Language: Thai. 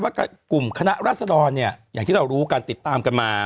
ว่ากลุ่มคณะรัศดรเนี่ยอย่างที่เรารู้กันติดตามกันมา